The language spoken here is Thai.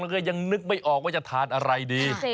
มันก็ยังนึกไม่ออกว่าจะทานอะไรดี